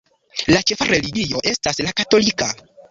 La ĉefa religio estas la katolika.